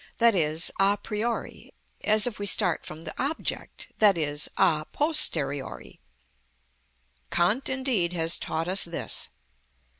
_, a priori, as if we start from the object, i.e., a posteriori. Kant indeed has taught us this.